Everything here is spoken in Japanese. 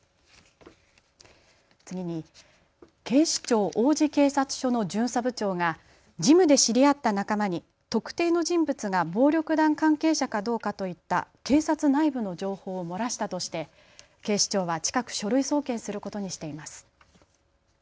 次に警視庁・王子警察署の巡査部長がジムで知り合った仲間に特定の人物が暴力団関係者かどうかといった警察内部の情報を漏らしたとして警視庁は近く書類送検することにしています。